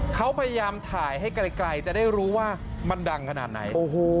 เขาพยายามถ่ายให้ไกลจะได้รู้ว่ามันดังขนาดไหน